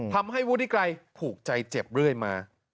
ทำให้วุฒิไกรผูกใจเจ็บเรื่อยมา